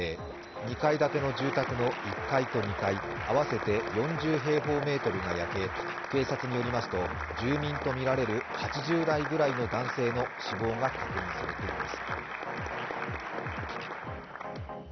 ２階建ての住宅の１階と２階、合わせて４０平方メートルが焼け警察によりますと住民とみられる８０代ぐらいの男性の死亡が確認されています。